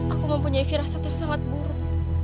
aku mempunyai firasat yang sangat buruk